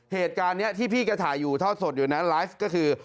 เหตุการณ์นี้ที่พี่แกถ่ายอยู่ทอดสดอยู่นั้นไลฟ์ก็คือ